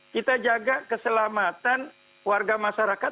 kita jaga keselamatan warga masyarakat